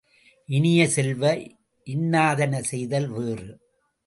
இனிய செல்வ, இன்னாதன செய்தல் வேறு.